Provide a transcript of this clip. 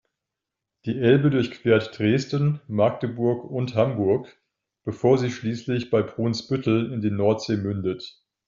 Die Elbe durchquert Dresden, Magdeburg und Hamburg, bevor sie schließlich bei Brunsbüttel in die Nordsee mündet.